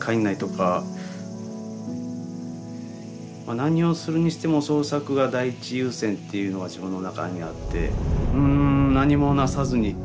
何をするにしても創作が第一優先っていうのが自分の中にあって。